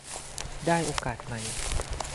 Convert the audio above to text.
ได้โอกาสใหม่